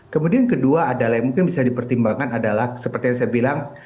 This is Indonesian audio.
kemudian kedua adalah yang mungkin bisa dipertimbangkan adalah seperti yang saya bilang